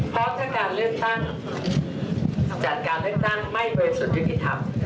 เพราะถ้าการเลือกตั้งจัดการเลือกตั้งไม่บริสุทธิ์ยุติธรรม